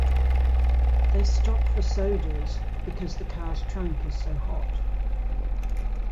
They stop for sodas because the car's trunk is so hot.